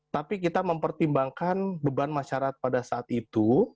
tapi kita mempertimbangkan beban masyarakat pada saat itu